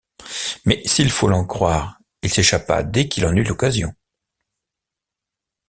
Mais, s'il faut l'en croire, il s'échappa dès qu'il en eut l'occasion.